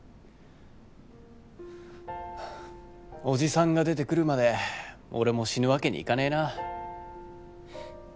おじさんが出てくるまで俺も死ぬわけにいかねえな。